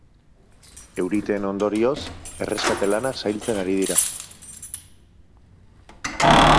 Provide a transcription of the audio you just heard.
Euriteen ondorioz, erreskate lanak zailtzen ari dira.